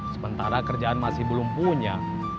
sementara kerjaan masih belum punya